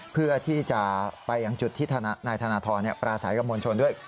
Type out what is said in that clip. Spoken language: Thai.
เพื่อที่จะไปยังจุดที่นายธนทรปราศัยกับมวลชนด้วย